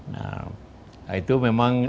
nah itu memang